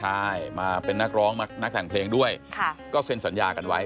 ใช่มาเป็นนักร้องนักแต่งเพลงด้วยก็เซ็นสัญญากันไว้